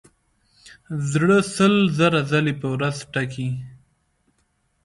زړه سل زره ځلې په ورځ ټکي.